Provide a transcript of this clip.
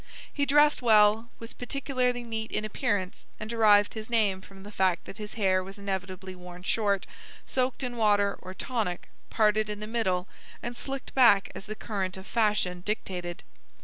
He dressed well, was particularly neat in appearance, and derived his name from the fact that his hair was inevitably worn short, soaked in water or tonic, parted in the middle, and slicked back as the current of fashion dictated.